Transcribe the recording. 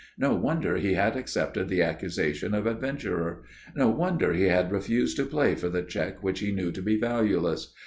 No wonder he had accepted the accusation of adventurer. No wonder he had refused to play for the cheque which he knew to be valueless.